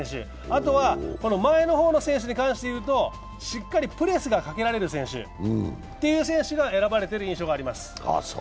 あとは前の方の選手に関していうと、しっかりプレスがかけられる選手が選ばれている印象があります。